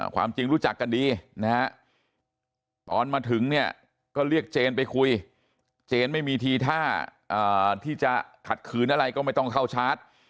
ความจริงรู้จักกันดีนะฮะตอนมาถึงเนี่ยก็เรียกเจนไปคุยเจนไม่มีทีท่าที่จะขัดขืนอะไรก็ไม่ต้องเข้าชาร์จ